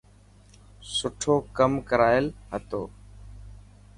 سٺو ڪم ڪرائل هتو.